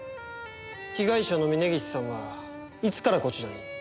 被害者の峰岸さんはいつからこちらに？